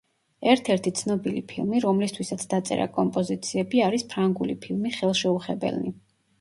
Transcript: ერთ-ერთი ცნობილი ფილმი, რომლისთვისაც დაწერა კომპოზიციები არის ფრანგული ფილმი „ხელშეუხებელნი“.